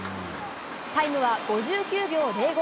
タイムは５９秒０５。